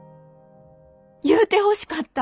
言うてほしかった。